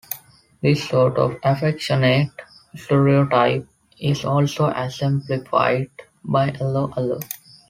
This sort of affectionate stereotype is also exemplified by 'Allo 'Allo!